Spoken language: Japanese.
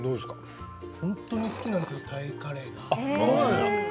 本当に好きなんですよタイカレーが。